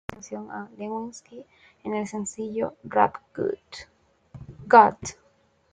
El rapero norteamericano Eminem hace mención a Lewinsky en el sencillo 'Rap God'.